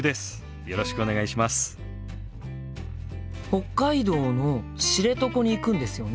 北海道の知床に行くんですよね？